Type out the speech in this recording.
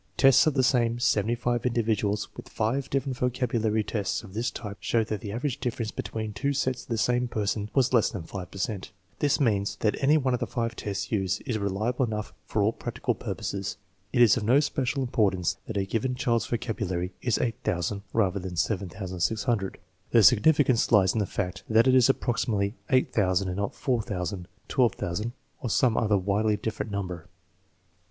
Tests of the same 75 individuals with five different vocabulary tests of this type showed that the average difference between two tests of the same person was less than 5 per cent. This means that any one of the five tests used is reliable enough for all practical purposes. It is of no special importance that a given child's vocabulary is 8000 rather than 7600; the significance lies in the fact that it is approximately 8000 and not 4000, 12,000, or some other widely different number.